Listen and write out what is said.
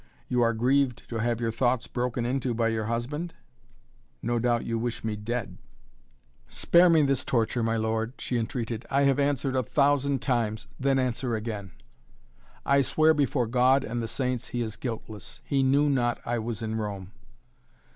"You are grieved to have your thoughts broken into by your husband? No doubt you wish me dead " "Spare me this torture, my lord," she entreated. "I have answered a thousand times " "Then answer again " "I swear before God and the Saints he is guiltless. He knew not I was in Rome."